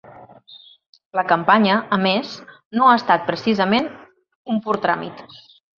La campanya, a més, no ha estat precisament un pur tràmit.